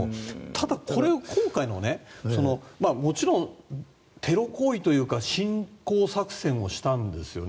ただ、これを今回のもちろんテロ行為というか侵攻作戦をしたんですよね